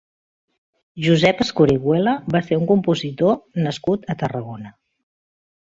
Josep Escorihuela va ser un compositor nascut a Tarragona.